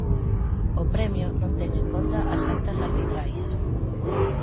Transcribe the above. O premio non ten en conta as actas arbitrais.